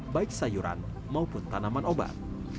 baik sayuran maupun tanaman obat